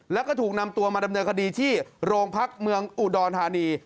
แล้วก็ถูกนำตัวมาดำเนินคดีที่โรงพักเมืองอุดรธานี